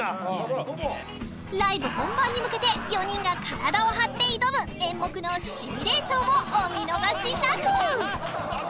ライブ本番に向けて４人が体を張って挑む演目のシミュレーションをお見逃しなく！